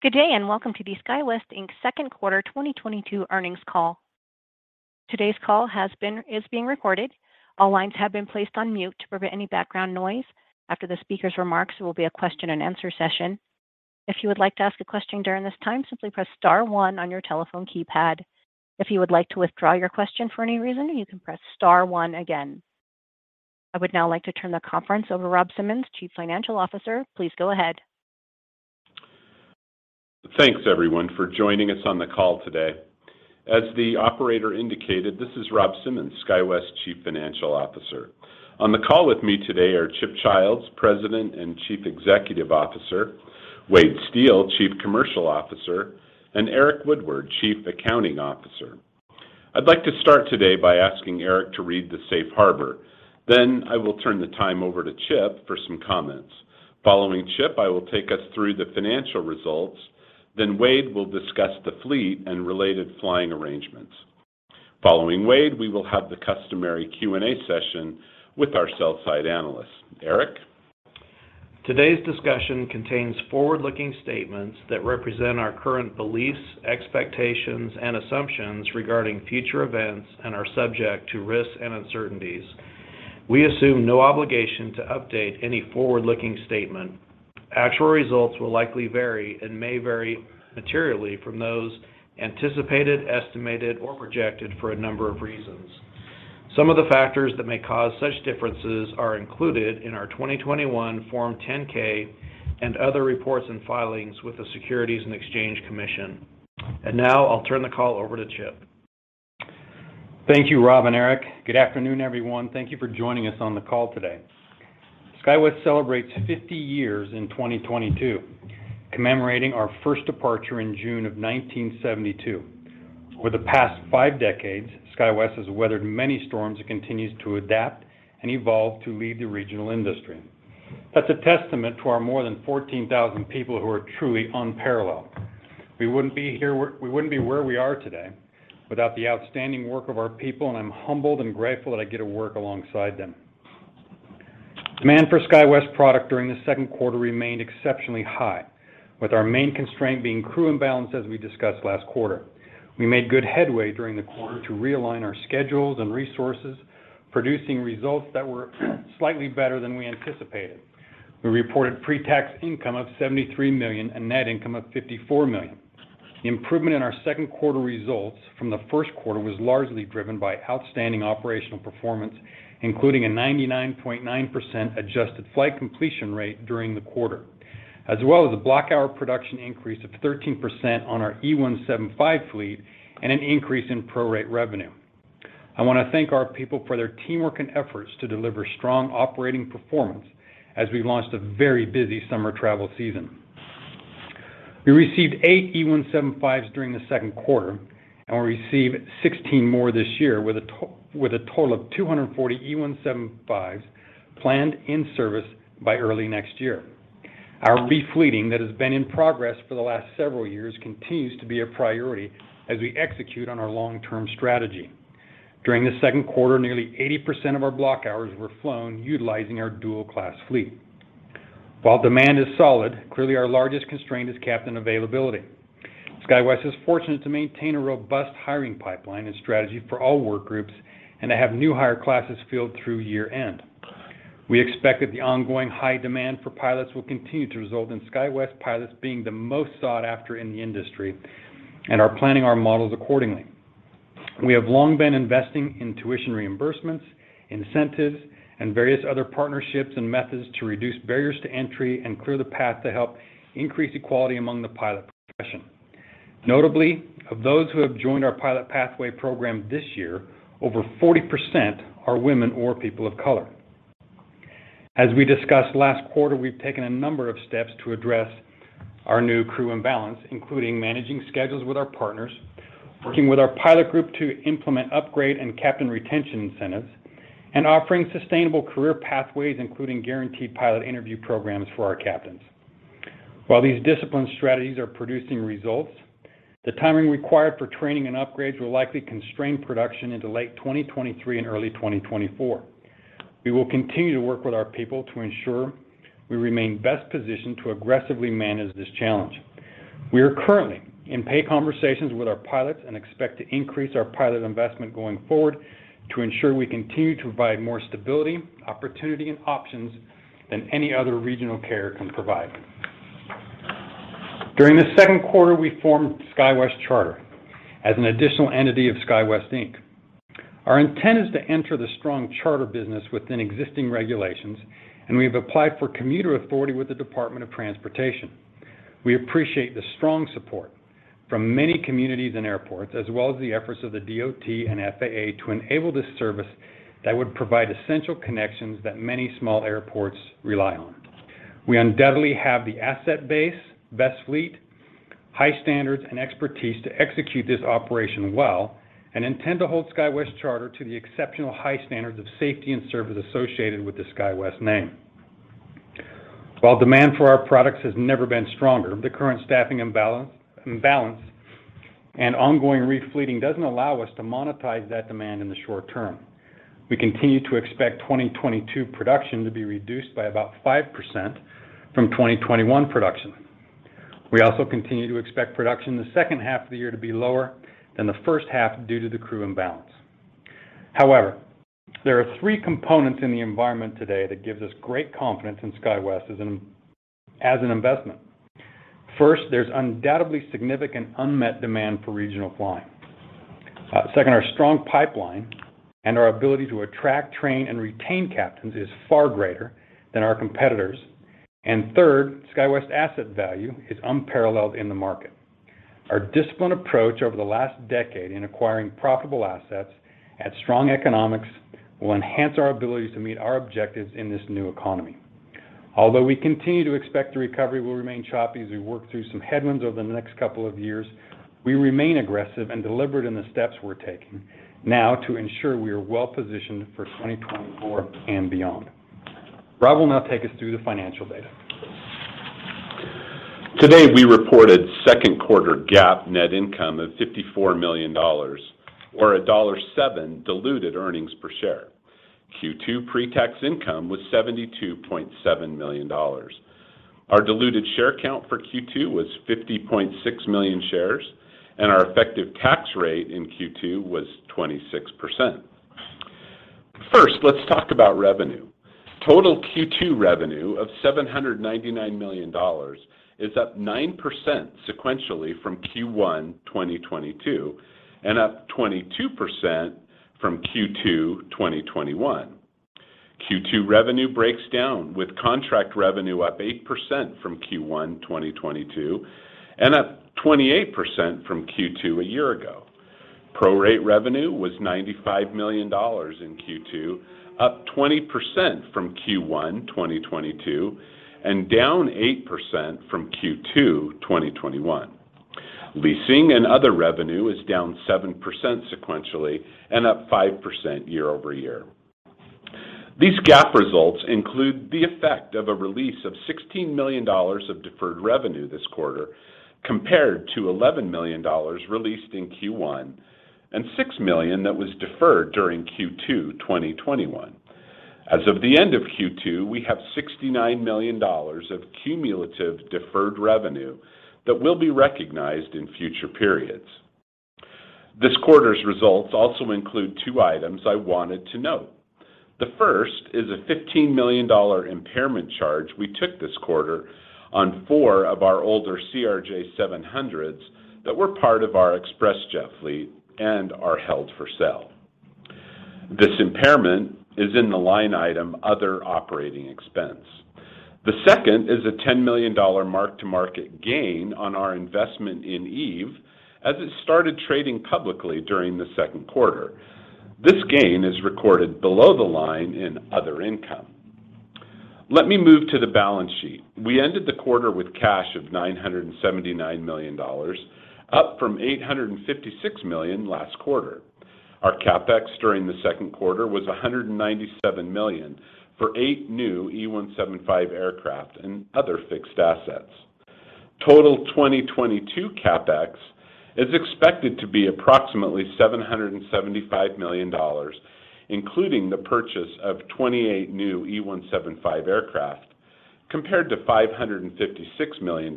Good day, and welcome to the SkyWest, Inc Second Quarter 2022 Earnings Call. Today's call is being recorded. All lines have been placed on mute to prevent any background noise. After the speaker's remarks, there will be a question-and-answer session. If you would like to ask a question during this time, simply press star one on your telephone keypad. If you would like to withdraw your question for any reason, you can press star one again. I would now like to turn the conference over to Rob Simmons, Chief Financial Officer. Please go ahead. Thanks, everyone, for joining us on the call today. As the operator indicated, this is Rob Simmons, SkyWest Chief Financial Officer. On the call with me today are Chip Childs, President and Chief Executive Officer, Wade Steel, Chief Commercial Officer, and Eric Woodward, Chief Accounting Officer. I'd like to start today by asking Eric to read the Safe Harbor. Then I will turn the time over to Chip for some comments. Following Chip, I will take us through the financial results, then Wade will discuss the fleet and related flying arrangements. Following Wade, we will have the customary Q&A session with our sell-side analysts. Eric. Today's discussion contains forward-looking statements that represent our current beliefs, expectations and assumptions regarding future events and are subject to risks and uncertainties. We assume no obligation to update any forward-looking statement. Actual results will likely vary and may vary materially from those anticipated, estimated or projected for a number of reasons. Some of the factors that may cause such differences are included in our 2021 Form 10-K and other reports and filings with the Securities and Exchange Commission. Now I'll turn the call over to Chip. Thank you, Rob and Eric. Good afternoon, everyone. Thank you for joining us on the call today. SkyWest celebrates 50 years in 2022, commemorating our first departure in June of 1972. Over the past five decades, SkyWest has weathered many storms and continues to adapt and evolve to lead the regional industry. That's a testament to our more than 14,000 people who are truly unparalleled. We wouldn't be where we are today without the outstanding work of our people, and I'm humbled and grateful that I get to work alongside them. Demand for SkyWest product during the second quarter remained exceptionally high, with our main constraint being crew imbalance as we discussed last quarter. We made good headway during the quarter to realign our schedules and resources, producing results that were slightly better than we anticipated. We reported pre-tax income of $73 million and net income of $54 million. The improvement in our second quarter results from the first quarter was largely driven by outstanding operational performance, including a 99.9% adjusted flight completion rate during the quarter, as well as a block hour production increase of 13% on our E175 fleet and an increase in prorate revenue. I wanna thank our people for their teamwork and efforts to deliver strong operating performance as we launched a very busy summer travel season. We received eight E175s during the second quarter, and we'll receive 16 more this year with a total of 240 E175s planned in service by early next year. Our re-fleeting that has been in progress for the last several years continues to be a priority as we execute on our long-term strategy. During the second quarter, nearly 80% of our block hours were flown utilizing our dual-class fleet. While demand is solid, clearly our largest constraint is captain availability. SkyWest is fortunate to maintain a robust hiring pipeline and strategy for all work groups and to have new hire classes filled through year-end. We expect that the ongoing high demand for pilots will continue to result in SkyWest pilots being the most sought after in the industry and are planning our models accordingly. We have long been investing in tuition reimbursements, incentives, and various other partnerships and methods to reduce barriers to entry and clear the path to help increase equality among the pilot profession. Notably, of those who have joined our pilot pathway program this year, over 40% are women or people of color. As we discussed last quarter we've taken a number of steps to address our new crew imbalance, including managing schedules with our partners, working with our pilot group to implement upgrade and captain retention incentives, and offering sustainable career pathways, including guaranteed pilot interview programs for our captains. While these discipline strategies are producing results, the timing required for training and upgrades will likely constrain production into late 2023 and early 2024. We will continue to work with our people to ensure we remain best positioned to aggressively manage this challenge. We are currently in pay conversations with our pilots and expect to increase our pilot investment going forward to ensure we continue to provide more stability, opportunity, and options than any other regional carrier can provide. During the second quarter, we formed SkyWest Charter as an additional entity of SkyWest, Inc. Our intent is to enter the strong charter business within existing regulations, and we have applied for commuter authority with the Department of Transportation. We appreciate the strong support from many communities and airports, as well as the efforts of the DOT and FAA to enable this service that would provide essential connections that many small airports rely on. We undoubtedly have the asset base, best fleet, high standards, and expertise to execute this operation well and intend to hold SkyWest Charter to the exceptional high standards of safety and service associated with the SkyWest name. While demand for our products has never been stronger, the current staffing imbalance and ongoing re-fleeting doesn't allow us to monetize that demand in the short term. We continue to expect 2022 production to be reduced by about 5% from 2021 production. We also continue to expect production in the second half of the year to be lower than the first half due to the crew imbalance. However, there are three components in the environment today that gives us great confidence in SkyWest as an investment. First, there's undoubtedly significant unmet demand for regional flying. Second, our strong pipeline and our ability to attract, train, and retain captains is far greater than our competitors'. Third, SkyWest asset value is unparalleled in the market. Our disciplined approach over the last decade in acquiring profitable assets at strong economics will enhance our ability to meet our objectives in this new economy. Although we continue to expect the recovery will remain choppy as we work through some headwinds over the next couple of years, we remain aggressive and deliberate in the steps we're taking now to ensure we are well-positioned for 2024 and beyond. Rob will now take us through the financial data. Today, we reported second quarter GAAP net income of $54 million or $1.07 diluted earnings per share. Q2 pre-tax income was $72.7 million. Our diluted share count for Q2 was 50.6 million shares, and our effective tax rate in Q2 was 26%. First, let's talk about revenue. Total Q2 revenue of $799 million is up 9% sequentially from Q1 2022 and up 22% from Q2 2021. Q2 revenue breaks down with contract revenue up 8% from Q1 2022 and up 28% from Q2 a year ago. Prorate revenue was $95 million in Q2, up 20% from Q1 2022 and down 8% from Q2 2021. Leasing and other revenue is down 7% sequentially and up 5% year-over-year. These GAAP results include the effect of a release of $16 million of deferred revenue this quarter compared to $11 million released in Q1 and $6 million that was deferred during Q2 2021. As of the end of Q2, we have $69 million of cumulative deferred revenue that will be recognized in future periods. This quarter's results also include two items I wanted to note. The first is a $15 million impairment charge we took this quarter on four of our older CRJ 700s that were part of our ExpressJet fleet and are held for sale. This impairment is in the line item other operating expense. The second is a $10 million mark-to-market gain on our investment in Eve as it started trading publicly during the second quarter. This gain is recorded below the line in other income. Let me move to the balance sheet. We ended the quarter with cash of $979 million, up from $856 million last quarter. Our CapEx during the second quarter was $197 million for eight new E175 aircraft and other fixed assets. Total 2022 CapEx is expected to be approximately $775 million, including the purchase of 28 new E175 aircraft, compared to $556 million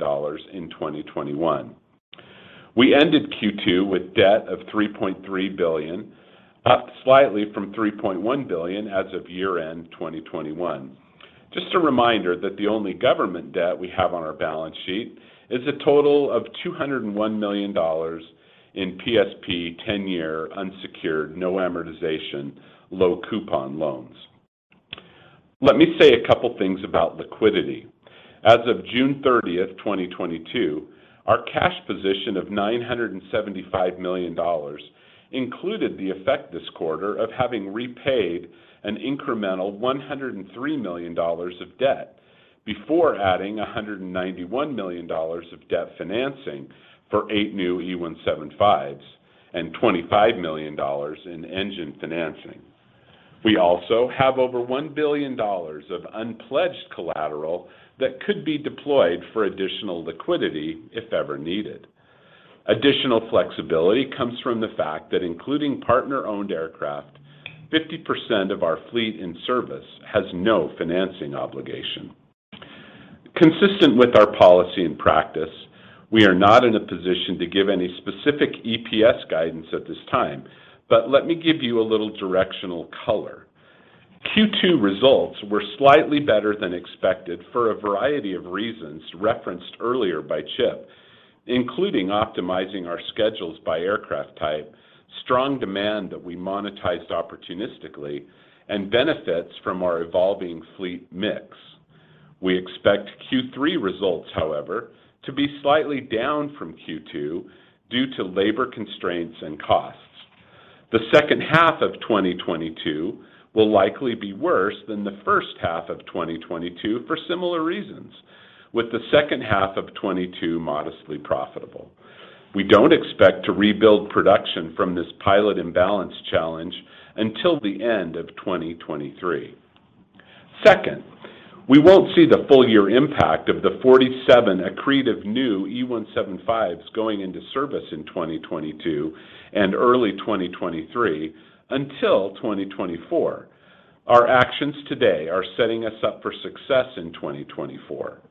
in 2021. We ended Q2 with debt of $3.3 billion, up slightly from $3.1 billion as of year-end 2021. Just a reminder that the only government debt we have on our balance sheet is a total of $201 million in PSP ten-year unsecured, no amortization, low coupon loans. Let me say a couple things about liquidity. As of June 30, 2022, our cash position of $975 million included the effect this quarter of having repaid an incremental $103 million of debt before adding $191 million of debt financing for eight new E175s and $25 million in engine financing. We also have over $1 billion of unpledged collateral that could be deployed for additional liquidity if ever needed. Additional flexibility comes from the fact that including partner-owned aircraft, 50% of our fleet in service has no financing obligation. Consistent with our policy and practice, we are not in a position to give any specific EPS guidance at this time, but let me give you a little directional color. Q2 results were slightly better than expected for a variety of reasons referenced earlier by Chip, including optimizing our schedules by aircraft type, strong demand that we monetized opportunistically, and benefits from our evolving fleet mix. We expect Q3 results, however, to be slightly down from Q2 due to labor constraints and costs. The second half of 2022 will likely be worse than the first half of 2022 for similar reasons, with the second half of 2022 modestly profitable. We don't expect to rebuild production from this pilot imbalance challenge until the end of 2023. Second, we won't see the full year impact of the 47 accretive new E175s going into service in 2022 and early 2023 until 2024. Our actions today are setting us up for success in 2024.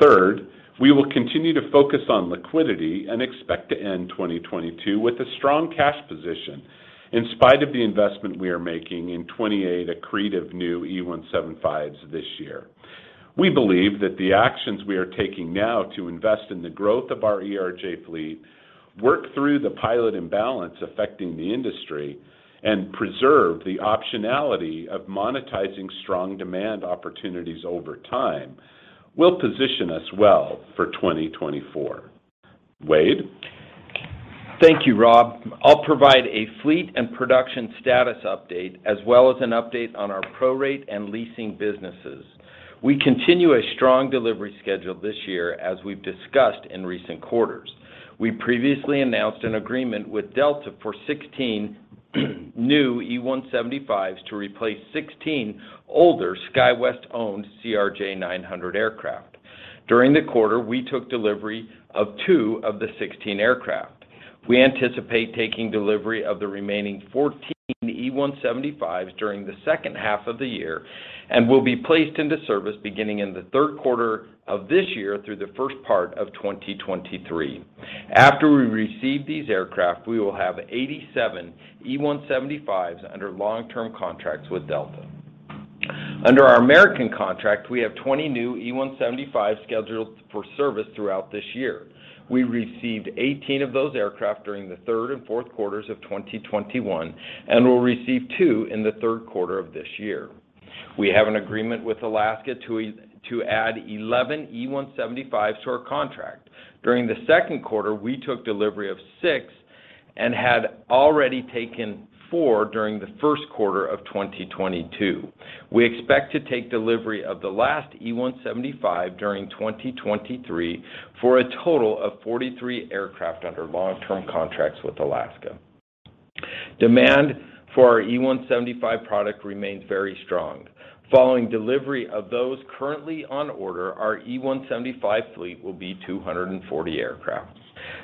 Third, we will continue to focus on liquidity and expect to end 2022 with a strong cash position in spite of the investment we are making in 28 accretive new E175s this year. We believe that the actions we are taking now to invest in the growth of our ERJ fleet, work through the pilot imbalance affecting the industry, and preserve the optionality of monetizing strong demand opportunities over time will position us well for 2024. Wade? Thank you, Rob. I'll provide a fleet and production status update as well as an update on our prorate and leasing businesses. We continue a strong delivery schedule this year as we've discussed in recent quarters. We previously announced an agreement with Delta for 16 new E175s to replace 16 older SkyWest-owned CRJ900 aircraft. During the quarter, we took delivery of two of the 16 aircraft. We anticipate taking delivery of the remaining 14 E175s during the second half of the year and will be placed into service beginning in the third quarter of this year through the first part of 2023. After we receive these aircraft, we will have 87 E175s under long-term contracts with Delta. Under our American contract, we have 20 new E175s scheduled for service throughout this year. We received 18 of those aircraft during the third and fourth quarters of 2021 and will receive two in the third quarter of this year. We have an agreement with Alaska Airlines to add 11 E175s to our contract. During the second quarter, we took delivery of six and had already taken four during the first quarter of 2022. We expect to take delivery of the last E175 during 2023 for a total of 43 aircraft under long-term contracts with Alaska Airlines. Demand for our E175 product remains very strong. Following delivery of those currently on order, our E175 fleet will be 240 aircraft.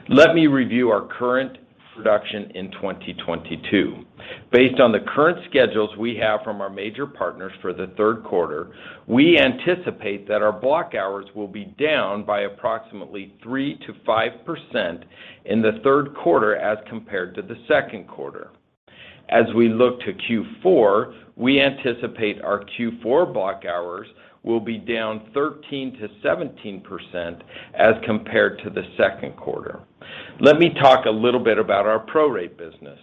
Let me review our current production in 2022. Based on the current schedules we have from our major partners for the third quarter, we anticipate that our block hours will be down by approximately 3%-5% in the third quarter as compared to the second quarter. As we look to Q4, we anticipate our Q4 block hours will be down 13%-17% as compared to the second quarter. Let me talk a little bit about our prorate business.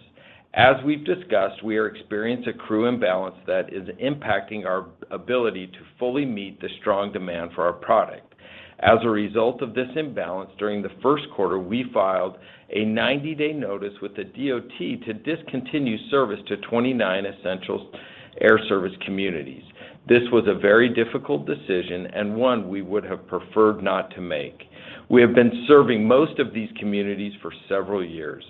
As we've discussed, we are experiencing a crew imbalance that is impacting our ability to fully meet the strong demand for our product. As a result of this imbalance, during the first quarter, we filed a 90-day notice with the DOT to discontinue service to 29 Essential Air Service communities. This was a very difficult decision and one we would have preferred not to make. We have been serving most of these communities for several years.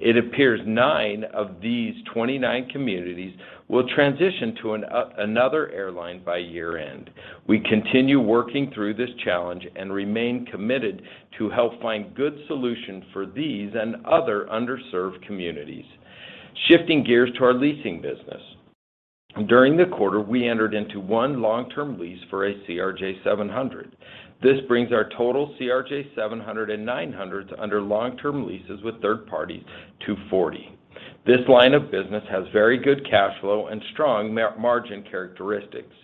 It appears nine of these 29 communities will transition to another airline by year-end. We continue working through this challenge and remain committed to help find good solution for these and other underserved communities. Shifting gears to our leasing business. During the quarter, we entered into one long-term lease for a CRJ700. This brings our total CRJ700 and 900s under long-term leases with third parties to 40. This line of business has very good cash flow and strong margin characteristics.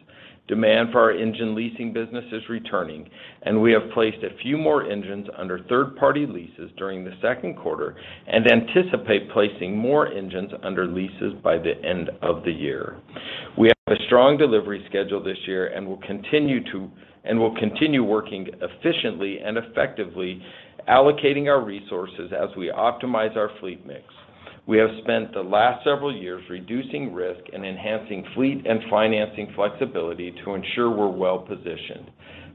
Demand for our engine leasing business is returning, and we have placed a few more engines under third-party leases during the second quarter and anticipate placing more engines under leases by the end of the year. We have a strong delivery schedule this year and will continue working efficiently and effectively allocating our resources as we optimize our fleet mix. We have spent the last several years reducing risk and enhancing fleet and financing flexibility to ensure we're well positioned.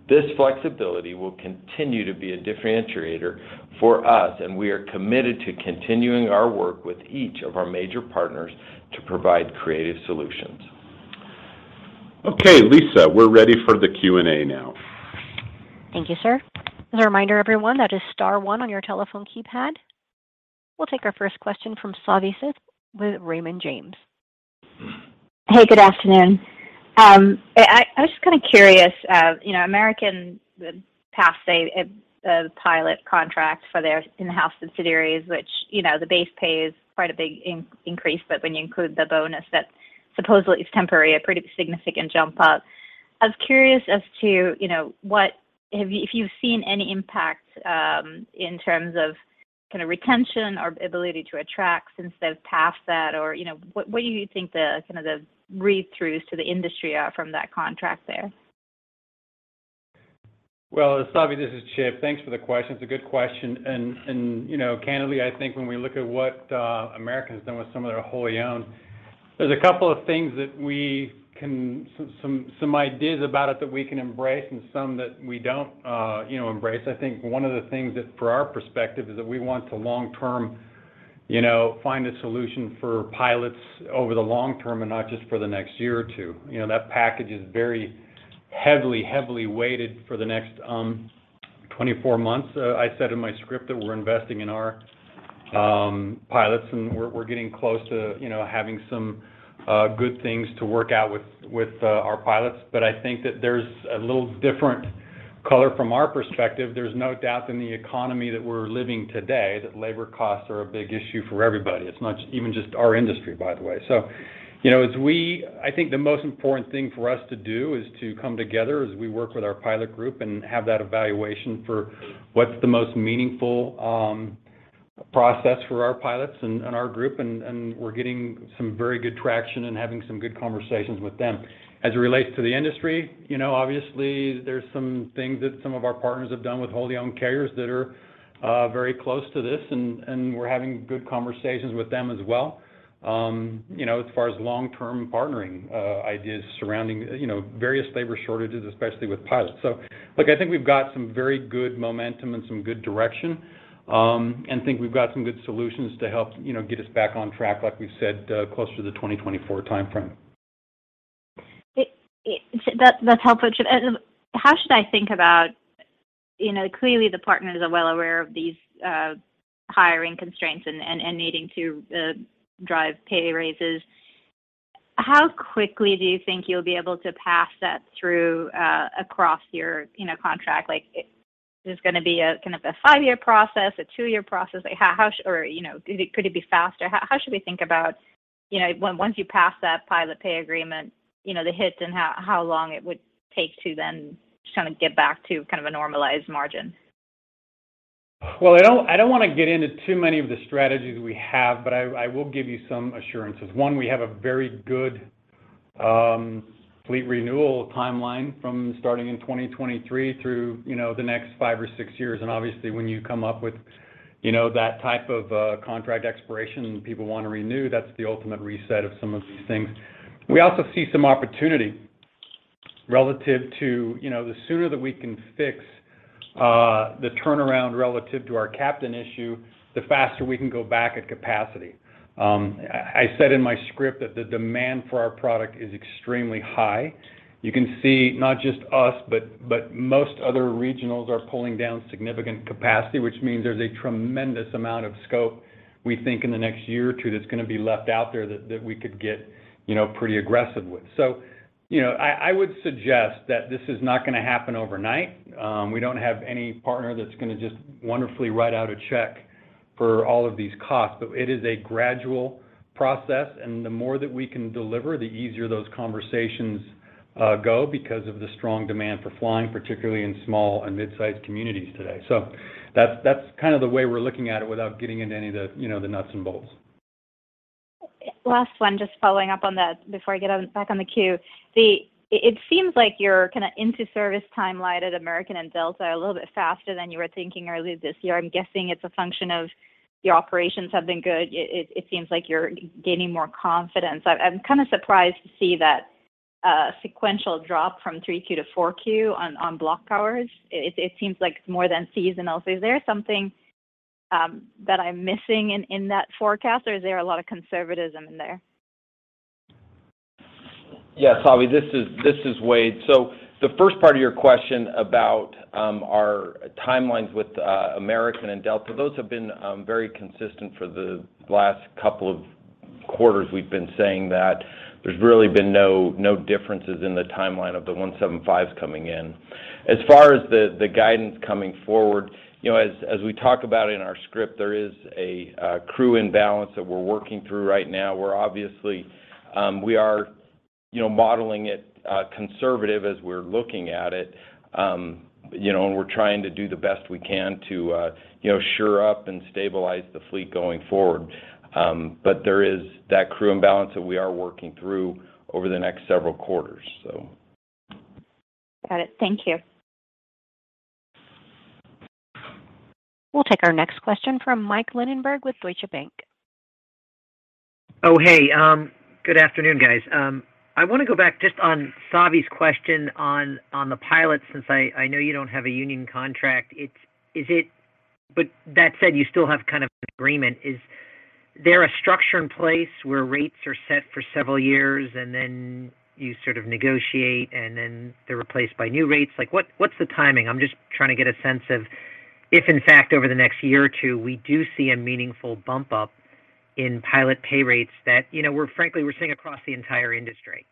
This flexibility will continue to be a differentiator for us, and we are committed to continuing our work with each of our major partners to provide creative solutions. Okay, Lisa, we're ready for the Q&A now. Thank you, sir. As a reminder, everyone, that is star one on your telephone keypad. We'll take our first question from Savanthi Syth with Raymond James. Good afternoon. I was just kind of curious, you know, American passed a pilot contract for their in-house subsidiaries, which, you know, the base pay is quite a big increase, but when you include the bonus that supposedly is temporary, a pretty significant jump up. I was curious as to, you know, what have you if you've seen any impact in terms of kind of retention or ability to attract since they've passed that or, you know, what do you think the kind of the read-throughs to the industry are from that contract there? Well, Savanthi, this is Chip. Thanks for the question. It's a good question. You know, candidly, I think when we look at what American has done with some of their wholly owned, there's a couple of things, some ideas about it that we can embrace and some that we don't, you know, embrace. I think one of the things that, for our perspective, is that we want to long-term. You know, find a solution for pilots over the long term and not just for the next year or two. You know, that package is very heavily weighted for the next 24 months. I said in my script that we're investing in our pilots, and we're getting close to you know, having some good things to work out with our pilots. I think that there's a little different color from our perspective. There's no doubt in the economy that we're living today that labor costs are a big issue for everybody. It's not even just our industry, by the way. You know, I think the most important thing for us to do is to come together as we work with our pilot group and have that evaluation for what's the most meaningful process for our pilots and our group. We're getting some very good traction and having some good conversations with them. As it relates to the industry, you know, obviously there's some things that some of our partners have done with wholly-owned carriers that are very close to this, and we're having good conversations with them as well, you know, as far as long-term partnering ideas surrounding, you know, various labor shortages, especially with pilots. Look, I think we've got some very good momentum and some good direction, and think we've got some good solutions to help, you know, get us back on track, like we've said, closer to the 2024 timeframe. That's helpful, Chip. How should I think about, you know, clearly the partners are well aware of these, hiring constraints and needing to drive pay raises. How quickly do you think you'll be able to pass that through, across your, you know, contract? Like, is this gonna be a, kind of a five-year process, a two-year process? Like how Or, you know, could it be faster? How should we think about, you know, once you pass that pilot pay agreement, you know, the hits and how long it would take to then just kind of get back to kind of a normalized margin? Well, I don't wanna get into too many of the strategies we have, but I will give you some assurances. One, we have a very good fleet renewal timeline from starting in 2023 through, you know, the next five or six years. Obviously, when you come up with, you know, that type of contract expiration and people wanna renew, that's the ultimate reset of some of these things. We also see some opportunity relative to, you know, the sooner that we can fix the turnaround relative to our captain issue, the faster we can go back at capacity. I said in my script that the demand for our product is extremely high. You can see not just us, but most other regionals are pulling down significant capacity, which means there's a tremendous amount of scope, we think, in the next year or two that's gonna be left out there that we could get, you know, pretty aggressive with. I would suggest that this is not gonna happen overnight. We don't have any partner that's gonna just wonderfully write out a check for all of these costs. It is a gradual process, and the more that we can deliver, the easier those conversations go because of the strong demand for flying, particularly in small and mid-sized communities today. That's kind of the way we're looking at it without getting into any of the, you know, the nuts and bolts. Last one, just following up on that before I get back on the queue. It seems like your kind of into service timeline at American and Delta are a little bit faster than you were thinking earlier this year. I'm guessing it's a function of your operations have been good. It seems like you're gaining more confidence. I'm kind of surprised to see that sequential drop from 3Q to 4Q on block hours. It seems like it's more than seasonal. Is there something that I'm missing in that forecast, or is there a lot of conservatism in there? Yeah. Savanthi, this is Wade. The first part of your question about our timelines with American and Delta, those have been very consistent for the last couple of quarters we've been saying that there's really been no differences in the timeline of the E175s coming in. As far as the guidance coming forward, you know, as we talk about in our script, there is a crew imbalance that we're working through right now, where obviously we are modeling it conservative as we're looking at it. You know, and we're trying to do the best we can to sure up and stabilize the fleet going forward. But there is that crew imbalance that we are working through over the next several quarters. Got it. Thank you. We'll take our next question from Mike Linenberg with Deutsche Bank. Oh, hey. Good afternoon, guys. I wanna go back just on Savi's question on the pilots, since I know you don't have a union contract. But that said, you still have kind of an agreement. Is there a structure in place where rates are set for several years, and then you sort of negotiate, and then they're replaced by new rates? Like, what's the timing? I'm just trying to get a sense of if in fact over the next year or two, we do see a meaningful bump up in pilot pay rates that, you know, we're frankly seeing across the entire industry.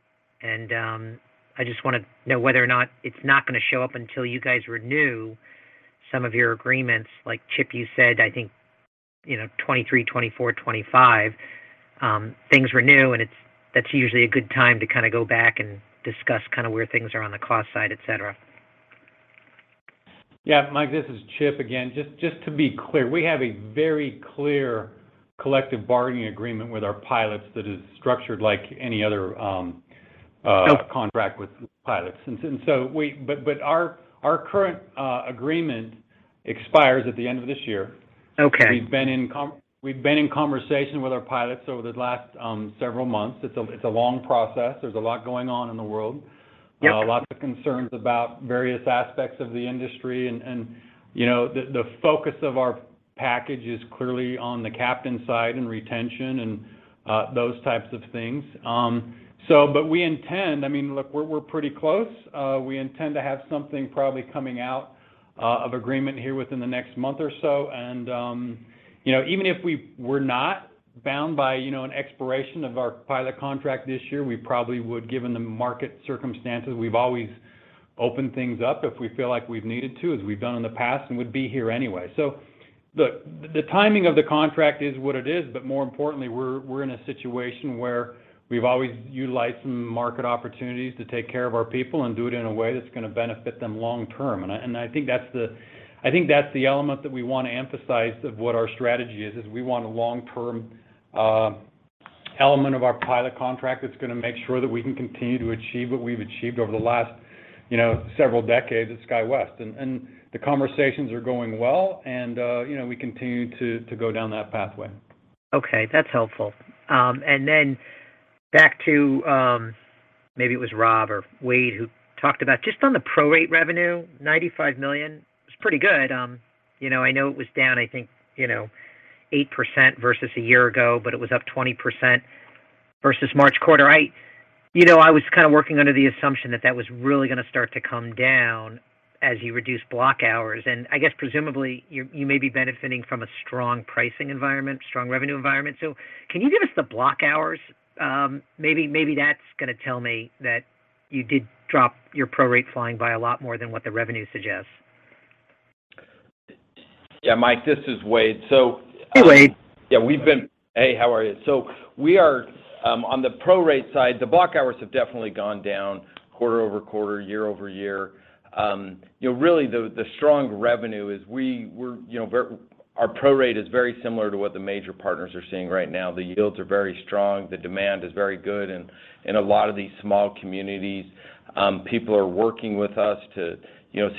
I just wanna know whether or not it's not gonna show up until you guys renew some of your agreements. Like Chip, you said, I think, you know, 23, 24, 25, things renew, and it's, that's usually a good time to kinda go back and discuss kinda where things are on the cost side, et cetera. Yeah. Mike, this is Chip again. Just to be clear, we have a very clear collective bargaining agreement with our pilots that is structured like any other. Okay ...contract with pilots. Our current agreement expires at the end of this year. Okay. We've been in conversation with our pilots over the last several months. It's a long process. There's a lot going on in the world. Yep. You know, lots of concerns about various aspects of the industry and the focus of our package is clearly on the captain side and retention and those types of things. But we intend—I mean, look, we're pretty close. We intend to have something probably coming out of agreement here within the next month or so. You know, even if we were not bound by an expiration of our pilot contract this year, we probably would, given the market circumstances. We've always opened things up if we feel like we've needed to, as we've done in the past, and would be here anyway. Look, the timing of the contract is what it is. More importantly, we're in a situation where we've always utilized some market opportunities to take care of our people and do it in a way that's gonna benefit them long term. I think that's the element that we wanna emphasize of what our strategy is. We want a long-term element of our pilot contract that's gonna make sure that we can continue to achieve what we've achieved over the last, you know, several decades at SkyWest. The conversations are going well and, you know, we continue to go down that pathway. Okay, that's helpful. Back to, maybe it was Rob or Wade who talked about just on the prorate revenue, $95 million. It's pretty good. You know, I know it was down, I think, you know, 8% versus a year ago, but it was up 20% versus March quarter. I, you know, I was kind of working under the assumption that that was really gonna start to come down as you reduce block hours, and I guess presumably you may be benefiting from a strong pricing environment, strong revenue environment. Can you give us the block hours? Maybe that's gonna tell me that you did drop your prorate flying by a lot more than what the revenue suggests. Yeah. Mike, this is Wade. Hey, Wade. We've been on the prorate side, the block hours have definitely gone down quarter-over-quarter, year-over-year. Our prorate is very similar to what the major partners are seeing right now. The yields are very strong. The demand is very good. In a lot of these small communities, people are working with us to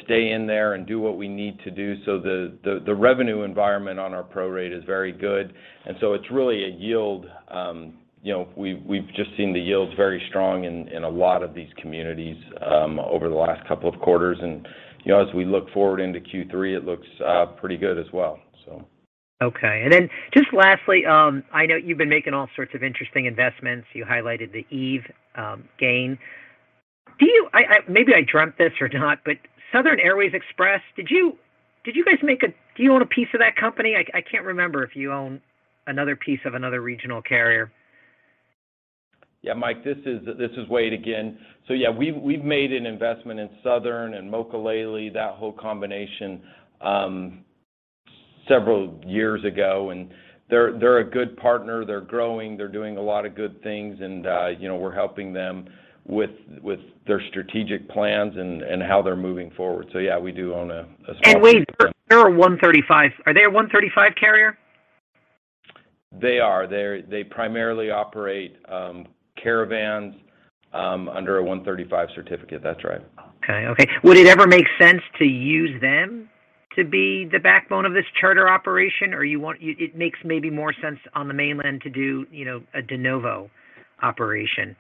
stay in there and do what we need to do. The revenue environment on our prorate is very good. It's really a yield. You know, we've just seen the yields very strong in a lot of these communities over the last couple of quarters. You know, as we look forward into Q3, it looks pretty good as well, so. Okay. Just lastly, I know you've been making all sorts of interesting investments. You highlighted the Eve gain. Maybe I dreamt this or not, but Southern Airways Express, do you own a piece of that company? I can't remember if you own another piece of another regional carrier. Yeah. Mike, this is Wade again. Yeah, we've made an investment in Southern and Mokulele, that whole combination, several years ago, and they're a good partner. They're growing, they're doing a lot of good things and, you know, we're helping them with their strategic plans and how they're moving forward. Yeah, we do own a small piece. Wade, they're a 135. Are they a 135 carrier? They are. They primarily operate Caravan under a Part 135 certificate. That's right. Okay. Would it ever make sense to use them to be the backbone of this charter operation? It makes maybe more sense on the mainland to do, you know, a de novo operation?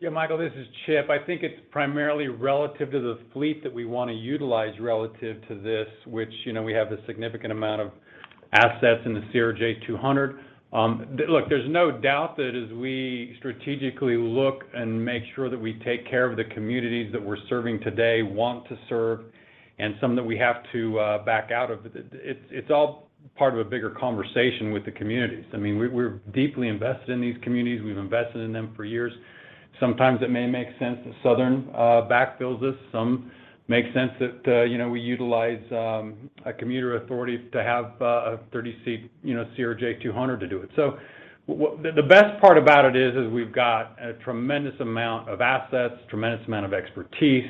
Yeah. Michael, this is Chip. I think it's primarily relative to the fleet that we want to utilize relative to this, which, you know, we have a significant amount of assets in the CRJ200. Look, there's no doubt that as we strategically look and make sure that we take care of the communities that we're serving today, want to serve, and some that we have to back out of, it's all part of a bigger conversation with the communities. I mean, we're deeply invested in these communities. We've invested in them for years. Sometimes it may make sense that Southern backfills us. Sometimes it makes sense that, you know, we utilize a commuter authority to have a 30-seat, you know, CRJ200 to do it. What the best part about it is, we've got a tremendous amount of assets, tremendous amount of expertise,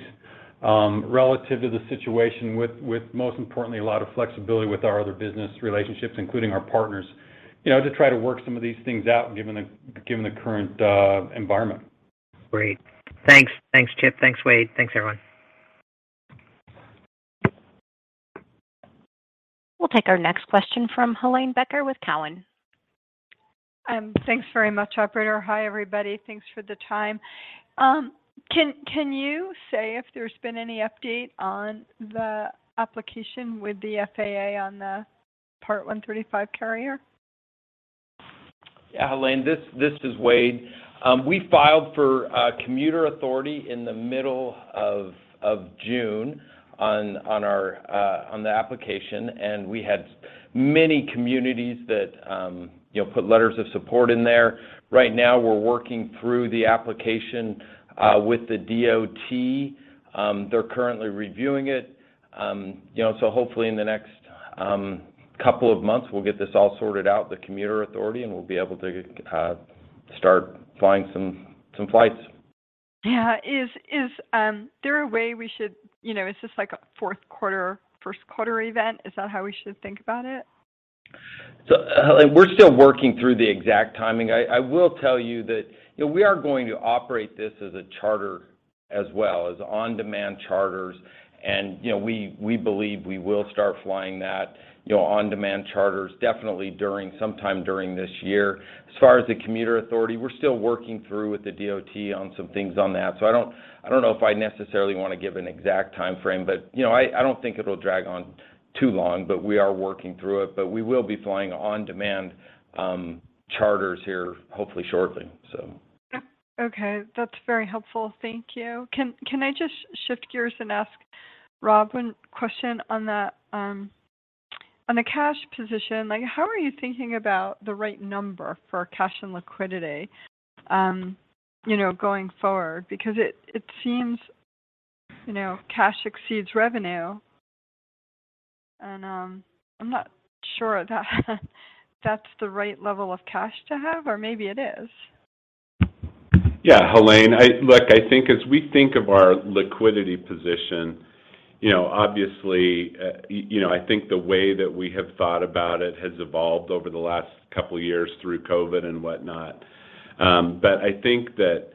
relative to the situation with most importantly, a lot of flexibility with our other business relationships, including our partners, you know, to try to work some of these things out given the current environment. Great. Thanks. Thanks, Chip. Thanks, Wade. Thanks, everyone. We'll take our next question from Helane Becker with Cowen. Thanks very much, operator. Hi, everybody. Thanks for the time. Can you say if there's been any update on the application with the FAA on the Part 135 carrier? Yeah. Helane, this is Wade. We filed for a commuter authority in the middle of June on our application, and we had many communities that you know put letters of support in there. Right now we're working through the application with the DOT. They're currently reviewing it. You know, hopefully in the next couple of months, we'll get this all sorted out, the commuter authority, and we'll be able to start flying some flights. Yeah. Is this like a fourth quarter, first quarter event? Is that how we should think about it? Helane, we're still working through the exact timing. I will tell you that, you know, we are going to operate this as a charter as well, as on-demand charters. You know, we believe we will start flying that, you know, on-demand charters definitely sometime during this year. As far as the commuter authority, we're still working through with the DOT on some things on that. I don't I don't know if I necessarily want to give an exact timeframe, but, you know, I don't think it'll drag on too long, but we are working through it. We will be flying on-demand charters here, hopefully shortly, so. Okay. That's very helpful. Thank you. Can I just shift gears and ask Rob one question on the cash position? Like, how are you thinking about the right number for cash and liquidity, you know, going forward? Because it seems, you know, cash exceeds revenue and, I'm not sure that that's the right level of cash to have, or maybe it is. Yeah. Helane, look, I think as we think of our liquidity position, you know, obviously, you know, I think the way that we have thought about it has evolved over the last couple years through COVID and whatnot. But I think that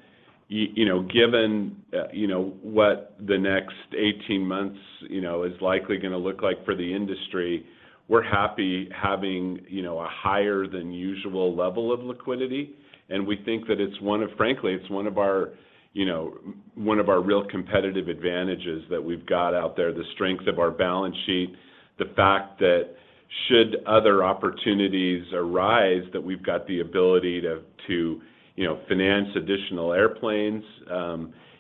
you know, given, you know, what the next 18 months, you know, is likely gonna look like for the industry, we're happy having, you know, a higher than usual level of liquidity, and we think that it's frankly one of our, you know, one of our real competitive advantages that we've got out there, the strength of our balance sheet. The fact that should other opportunities arise, that we've got the ability to, you know, finance additional airplanes,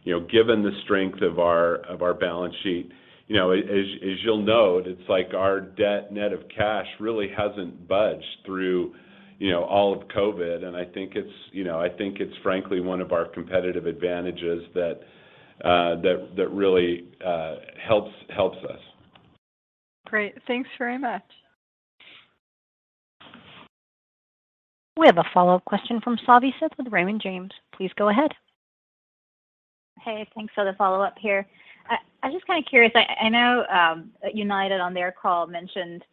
you know, given the strength of our balance sheet. You know, as you'll note, it's like our debt net of cash really hasn't budged through, you know, all of COVID, and I think it's frankly one of our competitive advantages that really helps us. Great. Thanks very much. We have a follow-up question from Savanthi Syth with Raymond James. Please go ahead. Hey, thanks for the follow-up here. I'm just kinda curious. I know United on their call mentioned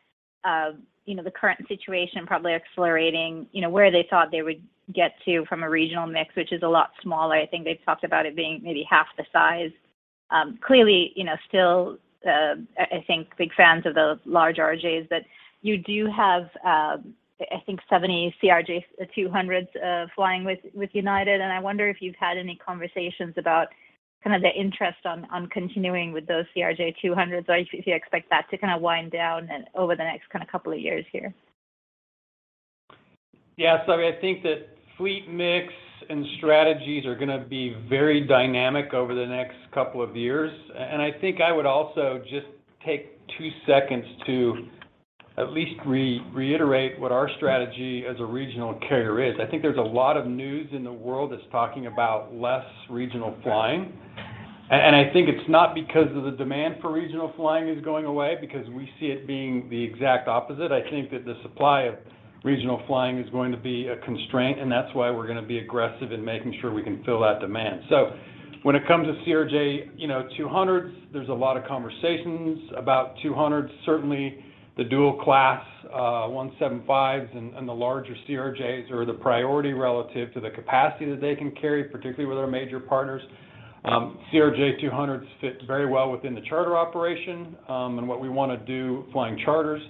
you know the current situation probably accelerating you know where they thought they would get to from a regional mix, which is a lot smaller. I think they've talked about it being maybe half the size. Clearly, you know, still, I think big fans of the large RJs, but you do have I think 70 CRJ 200s flying with United, and I wonder if you've had any conversations about kind of the interest on continuing with those CRJ 200s, or if you expect that to kind of wind down over the next kind of couple of years here. Yeah. Savanthi, I think that fleet mix and strategies are gonna be very dynamic over the next couple of years. I think I would also just take two seconds to at least reiterate what our strategy as a regional carrier is. I think there's a lot of news in the world that's talking about less regional flying. I think it's not because of the demand for regional flying is going away, because we see it being the exact opposite. I think that the supply of regional flying is going to be a constraint, and that's why we're gonna be aggressive in making sure we can fill that demand. When it comes to CRJ 200s, you know, there's a lot of conversations about 200s. Certainly the dual-class E175s and the larger CRJs are the priority relative to the capacity that they can carry, particularly with our major partners. CRJ200s fit very well within the charter operation, and what we wanna do flying charters.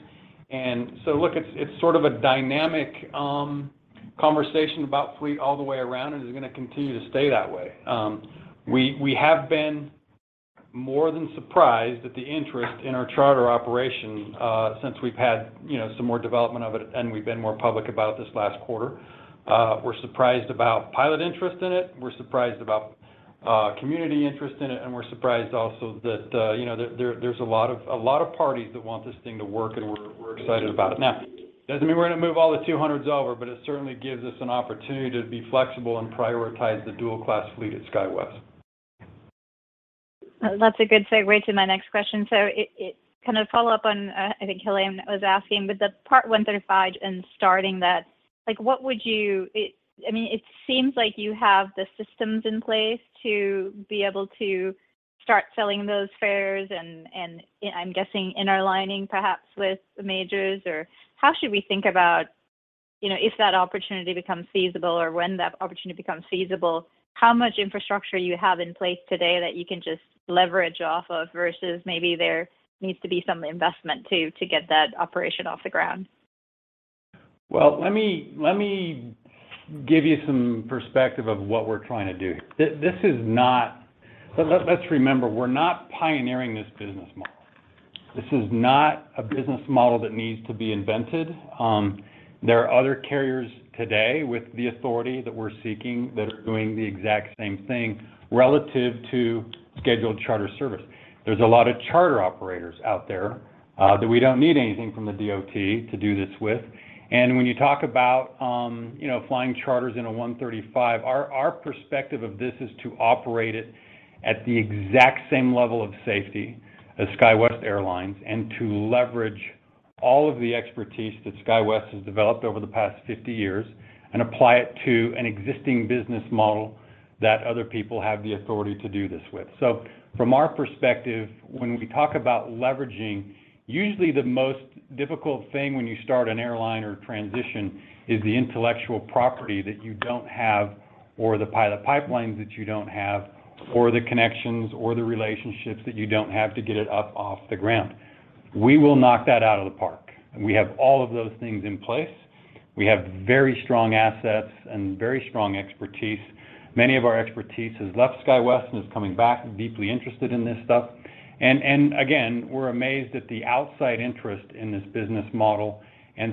Look, it's sort of a dynamic conversation about fleet all the way around, and it's gonna continue to stay that way. We have been more than surprised at the interest in our charter operation, since we've had, you know, some more development of it and we've been more public about this last quarter. We're surprised about pilot interest in it, we're surprised about community interest in it, and we're surprised also that, you know, there's a lot of parties that want this thing to work, and we're excited about it. Now, doesn't mean we're gonna move all the 200s over, but it certainly gives us an opportunity to be flexible and prioritize the dual class fleet at SkyWest. That's a good segue to my next question. It kind of follow up on, I think Helane was asking, but the Part 135 and starting that, like, I mean, it seems like you have the systems in place to be able to start selling those fares and, I'm guessing interlining perhaps with the majors. How should we think about, you know, if that opportunity becomes feasible or when that opportunity becomes feasible, how much infrastructure you have in place today that you can just leverage off of, versus maybe there needs to be some investment to get that operation off the ground? Well, let me give you some perspective of what we're trying to do. Let's remember, we're not pioneering this business model. This is not a business model that needs to be invented. There are other carriers today with the authority that we're seeking that are doing the exact same thing relative to scheduled charter service. There's a lot of charter operators out there that we don't need anything from the DOT to do this with. When you talk about, you know, flying charters in a Part 135, our perspective of this is to operate it at the exact same level of safety as SkyWest Airlines and to leverage all of the expertise that SkyWest has developed over the past 50 years and apply it to an existing business model that other people have the authority to do this with. From our perspective, when we talk about leveraging, usually the most difficult thing when you start an airline or transition is the intellectual property that you don't have or the pilot pipelines that you don't have, or the connections or the relationships that you don't have to get it up off the ground. We will knock that out of the park, and we have all of those things in place. We have very strong assets and very strong expertise. Many of our experts have left SkyWest and are coming back, deeply interested in this stuff. Again, we're amazed at the outside interest in this business model.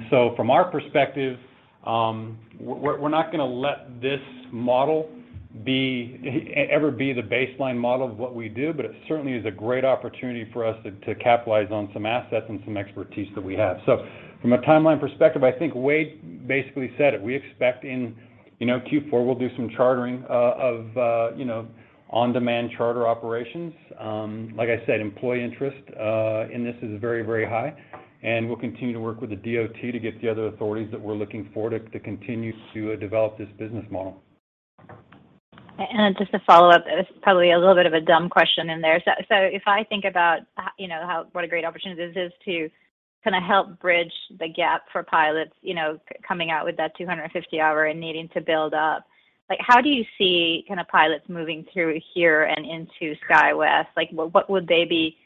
From our perspective, we're not gonna let this model ever be the baseline model of what we do, but it certainly is a great opportunity for us to capitalize on some assets and some expertise that we have. From a timeline perspective, I think Wade basically said it. We expect in you know Q4 we'll do some chartering of you know on-demand charter operations. Like I said, employee interest in this is very very high, and we'll continue to work with the DOT to get the other authorities that we're looking for to continue to develop this business model. Just to follow up, it was probably a little bit of a dumb question in there. So if I think about you know, what a great opportunity this is to kinda help bridge the gap for pilots, you know, coming out with that 250-hour and needing to build up. Like, how do you see kinda pilots moving through here and into SkyWest? Like, what would they be—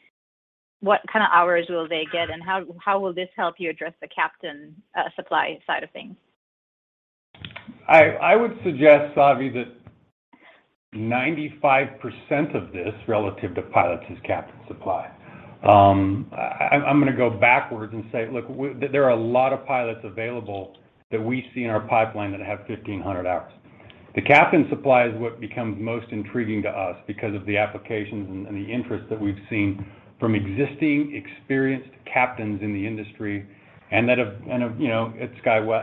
What kind of hours will they get, and how will this help you address the captain supply side of things? I would suggest, Savanthi, that 95% of this relative to pilots is captain supply. I'm gonna go backwards and say, look, there are a lot of pilots available that we see in our pipeline that have 1,500 hours. The captain supply is what becomes most intriguing to us because of the applications and the interest that we've seen from existing experienced captains in the industry and that have, you know, at SkyWest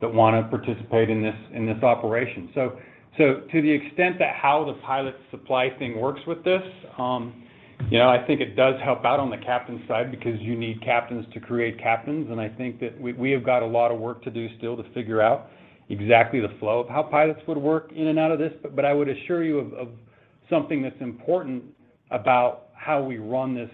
that wanna participate in this operation. To the extent that how the pilot supply thing works with this, you know, I think it does help out on the captain side because you need captains to create captains, and I think that we have got a lot of work to do still to figure out exactly the flow of how pilots would work in and out of this. I would assure you of something that's important about how we run this,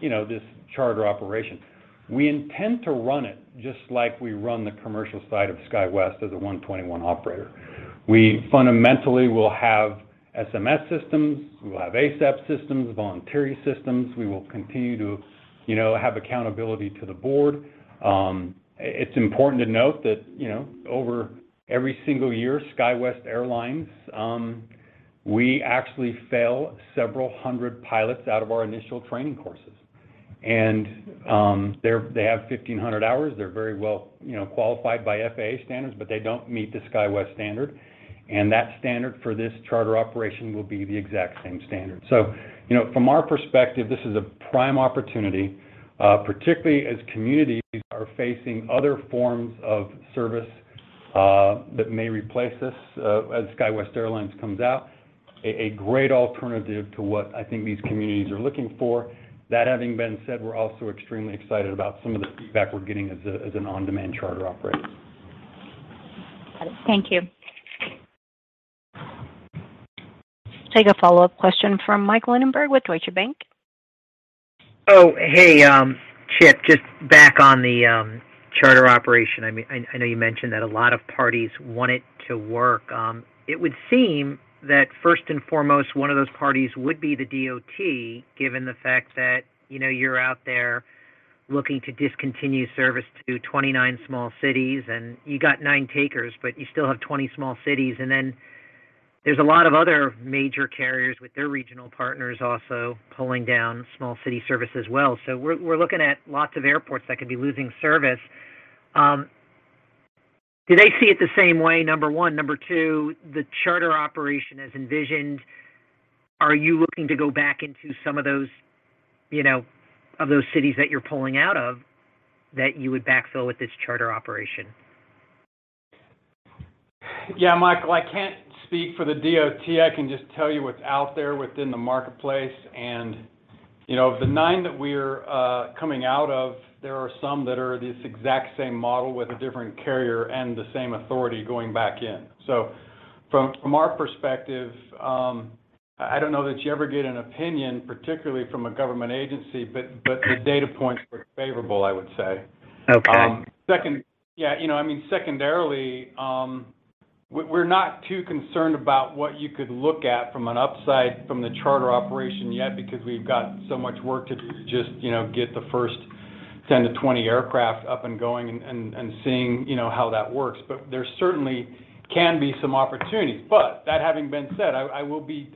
you know, this charter operation. We intend to run it just like we run the commercial side of SkyWest as a Part 121 operator. We fundamentally will have SMS systems. We will have ASAP systems, voluntary systems. We will continue to, you know, have accountability to the board. It's important to note that, you know, over every single year, SkyWest Airlines, we actually fail several hundred pilots out of our initial training courses. They have 1,500 hours. They're very well, you know, qualified by FAA standards, but they don't meet the SkyWest standard. That standard for this charter operation will be the exact same standard. You know, from our perspective, this is a prime opportunity, particularly as communities are facing other forms of service, that may replace this, as SkyWest Airlines comes out, a great alternative to what I think these communities are looking for. That having been said, we're also extremely excited about some of the feedback we're getting as an on-demand charter operator. Thank you. Take a follow-up question from Michael Linenberg with Deutsche Bank. Oh, hey, Chip, just back on the charter operation. I mean, I know you mentioned that a lot of parties want it to work. It would seem that first and foremost, one of those parties would be the DOT, given the fact that, you know, you're out there looking to discontinue service to 29 small cities, and you got nine takers, but you still have 20 small cities. There's a lot of other major carriers with their regional partners also pulling down small city service as well. We're looking at lots of airports that could be losing service. Do they see it the same way, number one? Number two, the charter operation as envisioned, are you looking to go back into some of those, you know, of those cities that you're pulling out of that you would backfill with this charter operation? Yeah, Michael, I can't speak for the DOT. I can just tell you what's out there within the marketplace. You know, of the nine that we're coming out of, there are some that are this exact same model with a different carrier and the same authority going back in. From our perspective, I don't know that you ever get an opinion, particularly from a government agency, but the data points were favorable, I would say. Okay. You know, I mean, secondarily, we're not too concerned about what you could look at from an upside from the charter operation yet because we've got so much work to do to just, you know, get the first 10 to 20 aircraft up and going and seeing, you know, how that works. There certainly can be some opportunity. That having been said, I will be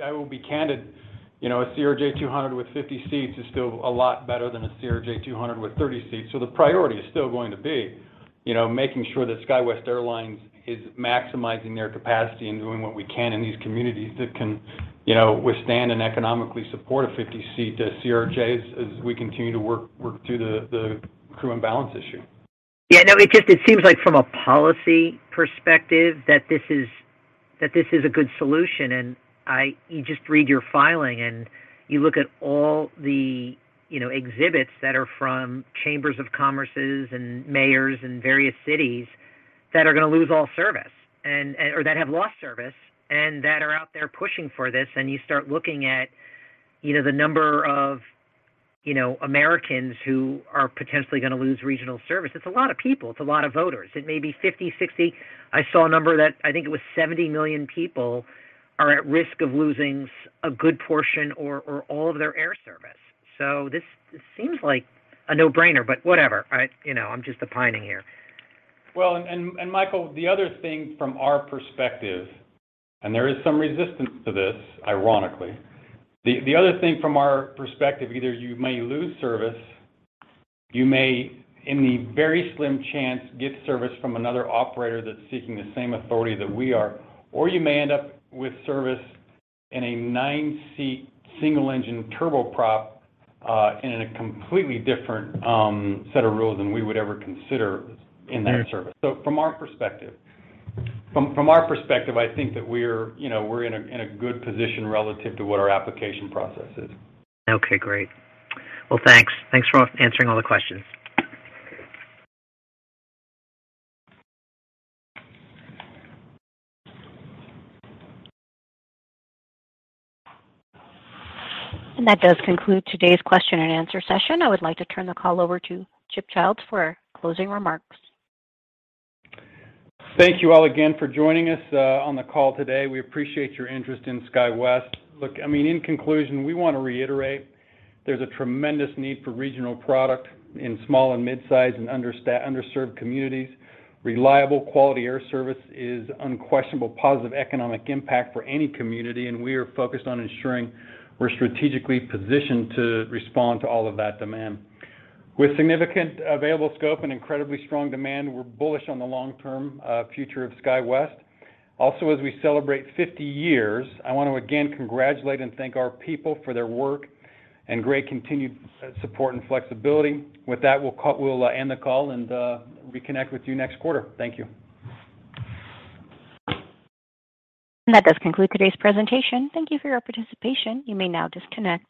candid. You know, a CRJ200 with 50 seats is still a lot better than a CRJ200 with 30 seats. The priority is still going to be, you know, making sure that SkyWest Airlines is maximizing their capacity and doing what we can in these communities that can, you know, withstand and economically support a 50-seat CRJs as we continue to work through the crew imbalance issue. Yeah, no, it just seems like from a policy perspective that this is a good solution. You just read your filing, and you look at all the, you know, exhibits that are from chambers of commerce and mayors in various cities that are gonna lose all service and or that have lost service and that are out there pushing for this, and you start looking at, you know, the number of, you know, Americans who are potentially gonna lose regional service. It's a lot of people. It's a lot of voters. It may be 50, 60. I saw a number that I think it was 70 million people are at risk of losing a good portion or all of their air service. This seems like a no-brainer, but whatever. I, you know, I'm just opining here. Well, Michael, the other thing from our perspective, there is some resistance to this, ironically. Either you may lose service, you may, in the very slim chance, get service from another operator that's seeking the same authority that we are, or you may end up with service in a 9-seat, single-engine turboprop in a completely different set of rules than we would ever consider in that service. From our perspective, I think that we're, you know, in a good position relative to what our application process is. Okay, great. Well, thanks. Thanks for answering all the questions. That does conclude today's question and answer session. I would like to turn the call over to Chip Childs for closing remarks. Thank you all again for joining us on the call today. We appreciate your interest in SkyWest. Look, I mean, in conclusion, we wanna reiterate there's a tremendous need for regional product in small and midsize and underserved communities. Reliable, quality air service is unquestionably positive economic impact for any community, and we are focused on ensuring we're strategically positioned to respond to all of that demand. With significant available scope and incredibly strong demand, we're bullish on the long-term future of SkyWest. Also, as we celebrate 50 years, I want to again congratulate and thank our people for their work and great continued support and flexibility. With that, we'll end the call and reconnect with you next quarter. Thank you. That does conclude today's presentation. Thank you for your participation. You may now disconnect.